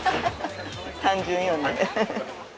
単純よね。